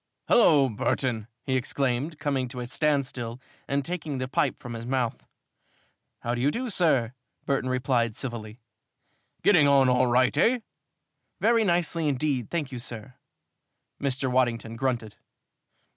"Hullo, Burton!" he exclaimed, coming to a standstill and taking the pipe from his mouth. "How do you do, sir?" Burton replied, civilly. Getting on all right, eh? "Very nicely indeed, thank you, sir." Mr. Waddington grunted.